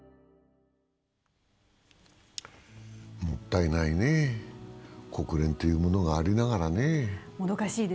もったいないね、国連というものがありながらね。